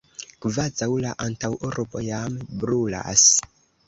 kvazaŭ la antaŭurbo jam brulas!